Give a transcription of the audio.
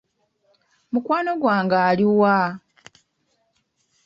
Mukwano gwange ali wa ?